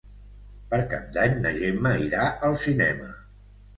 Per Cap d'Any na Gemma irà al cinema.